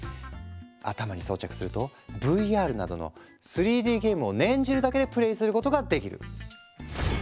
頭に装着するとＶＲなどの３Ｄゲームを念じるだけでプレイすることができる。